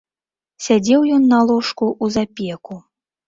Сядзеў ён на ложку ў запеку.